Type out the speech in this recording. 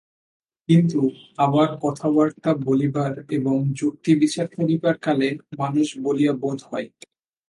কিন্তু আবার কথাবার্তা বলিবার এবং যুক্তি-বিচার করিবার কালে মানুষ বলিয়া বোধ হয়।